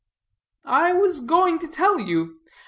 "I was going to tell you.